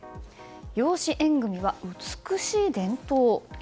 養子縁組は美しい伝統。